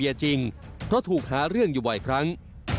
เค้าหาเรื่องเรามอยทำเค้าหาเรื่องเรามอยทำ